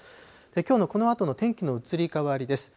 きょうのこのあとの天気の移り変わりです。